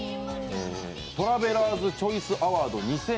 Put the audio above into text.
トラベラーズチョイスアワード